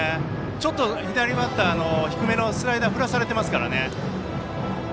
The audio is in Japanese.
ちょっと、左バッターの低めのスライダー振らされてますからね。